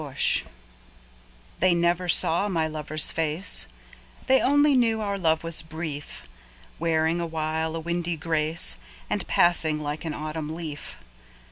PITY THEY never saw my lover's face, They only know our love was brief, Wearing awhile a windy grace And passing like an autumn leaf.